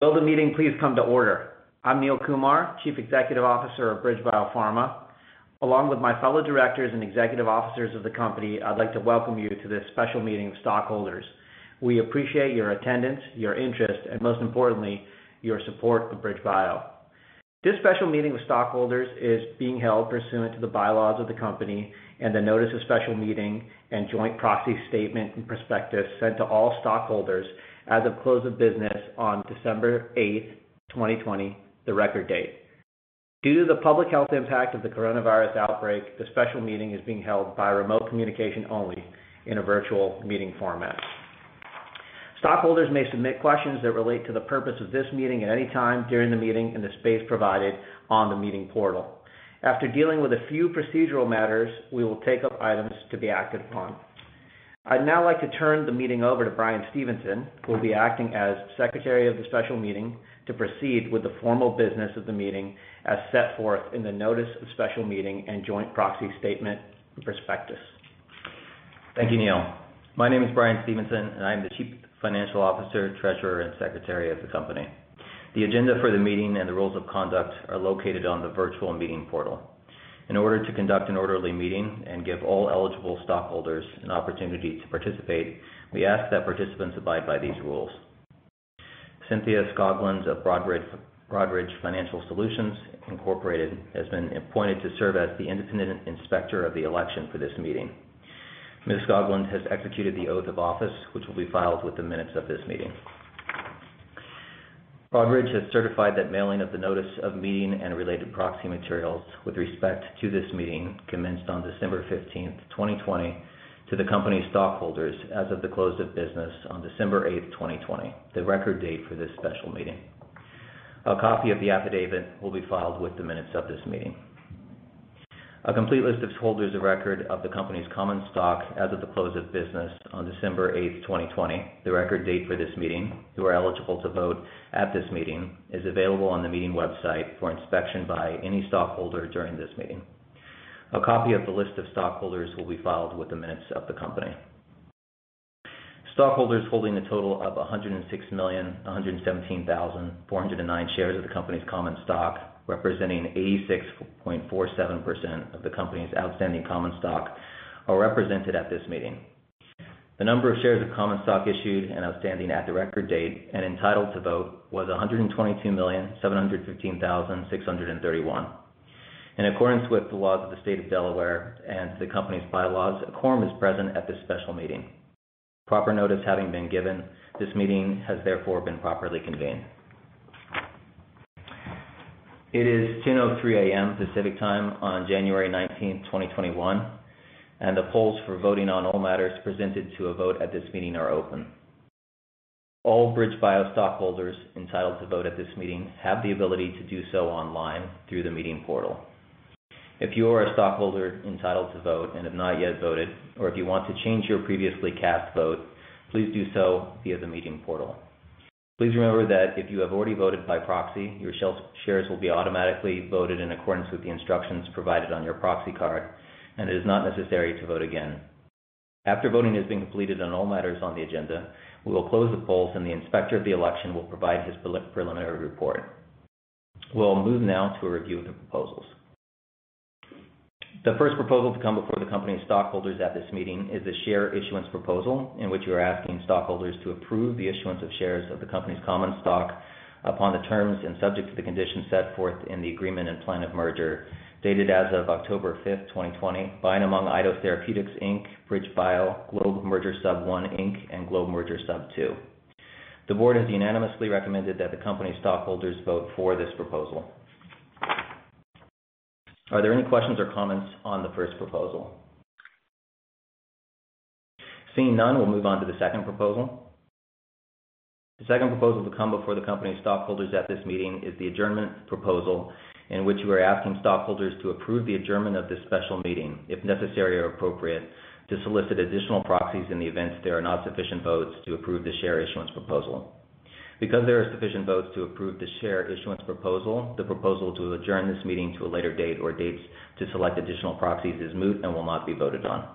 Will the meeting please come to order? I'm Neil Kumar, Chief Executive Officer of BridgeBio Pharma. Along with my fellow directors and executive officers of the company, I'd like to welcome you to this special meeting of stockholders. We appreciate your attendance, your interest, and most importantly, your support of BridgeBio. This special meeting with stockholders is being held pursuant to the bylaws of the company and the notice of special meeting and joint proxy statement and prospectus sent to all stockholders as of close of business on December 8th, 2020, the record date. Due to the public health impact of the coronavirus outbreak, the special meeting is being held by remote communication only in a virtual meeting format. Stockholders may submit questions that relate to the purpose of this meeting at any time during the meeting in the space provided on the meeting portal. After dealing with a few procedural matters, we will take up items to be acted upon. I'd now like to turn the meeting over to Brian Stephenson, who will be acting as Secretary of the special meeting, to proceed with the formal business of the meeting as set forth in the notice of special meeting and joint proxy statement prospectus. Thank you, Neil. My name is Brian Stephenson, and I am the Chief Financial Officer, Treasurer, and Secretary of the company. The agenda for the meeting and the rules of conduct are located on the virtual meeting portal. In order to conduct an orderly meeting and give all eligible stockholders an opportunity to participate, we ask that participants abide by these rules. Cynthia Skoglund of Broadridge Financial Solutions, Inc. has been appointed to serve as the independent inspector of the election for this meeting. Ms. Skoglund has executed the oath of office, which will be filed with the minutes of this meeting. Broadridge has certified that mailing of the notice of meeting and related proxy materials with respect to this meeting commenced on December 15th, 2020, to the company stockholders as of the close of business on December 8th, 2020, the record date for this special meeting. A copy of the affidavit will be filed with the minutes of this meeting. A complete list of stockholders of record of the company's common stock as of the close of business on December 8th, 2020, the record date for this meeting, who are eligible to vote at this meeting, is available on the meeting website for inspection by any stockholder during this meeting. A copy of the list of stockholders will be filed with the minutes of the company. Stockholders holding a total of 106,117,409 shares of the company's common stock, representing 86.47% of the company's outstanding common stock, are represented at this meeting. The number of shares of common stock issued and outstanding at the record date and entitled to vote was 122,715,631. In accordance with the laws of the state of Delaware and the company's bylaws, a quorum is present at this special meeting. Proper notice having been given, this meeting has therefore been properly convened. It is 10:03 A.M. Pacific Time on January 19th, 2021, and the polls for voting on all matters presented to a vote at this meeting are open. All BridgeBio stockholders entitled to vote at this meeting have the ability to do so online through the meeting portal. If you are a stockholder entitled to vote and have not yet voted, or if you want to change your previously cast vote, please do so via the meeting portal. Please remember that if you have already voted by proxy, your shares will be automatically voted in accordance with the instructions provided on your proxy card, and it is not necessary to vote again. After voting has been completed on all matters on the agenda, we will close the polls, and the inspector of the election will provide his preliminary report. We'll move now to a review of the proposals. The first proposal to come before the company stockholders at this meeting is the share issuance proposal, in which we are asking stockholders to approve the issuance of shares of the company's common stock upon the terms and subject to the conditions set forth in the Agreement and Plan of Merger dated as of October 5th, 2020, by and among Eidos Therapeutics, Inc., BridgeBio, Globe Merger Sub I, Inc., and Globe Merger Sub II, Inc. The board has unanimously recommended that the company stockholders vote for this proposal. Are there any questions or comments on the first proposal? Seeing none, we'll move on to the second proposal. The second proposal to come before the company stockholders at this meeting is the adjournment proposal, in which we are asking stockholders to approve the adjournment of this special meeting, if necessary or appropriate, to solicit additional proxies in the event there are not sufficient votes to approve the share issuance proposal. Because there are sufficient votes to approve the share issuance proposal, the proposal to adjourn this meeting to a later date or dates to select additional proxies is moot and will not be voted on.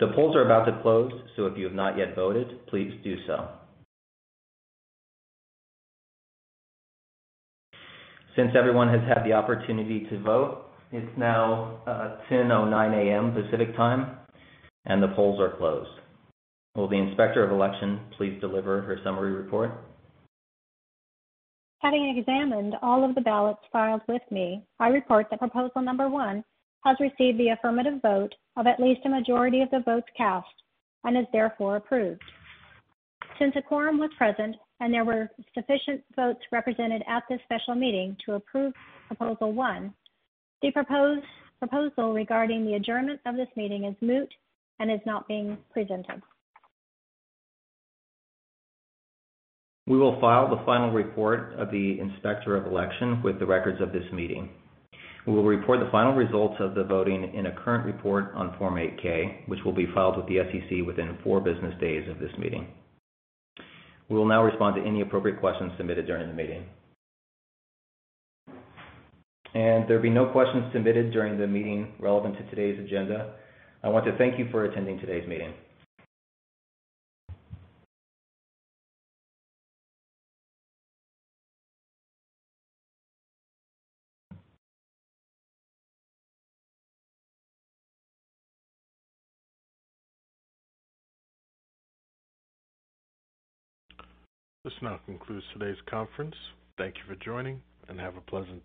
The polls are about to close, so if you have not yet voted, please do so. Since everyone has had the opportunity to vote, it's now 10:09 A.M. Pacific Time, and the polls are closed. Will the inspector of election please deliver her summary report? Having examined all of the ballots filed with me, I report that Proposal 1 has received the affirmative vote of at least a majority of the votes cast and is therefore approved. Since a quorum was present and there were sufficient votes represented at this special meeting to approve Proposal 1, the proposal regarding the adjournment of this meeting is moot and is not being presented. We will file the final report of the inspector of election with the records of this meeting. We will report the final results of the voting in a current report on Form 8-K, which will be filed with the SEC within four business days of this meeting. We will now respond to any appropriate questions submitted during the meeting. There be no questions submitted during the meeting relevant to today's agenda. I want to thank you for attending today's meeting. This now concludes today's conference. Thank you for joining, and have a pleasant day.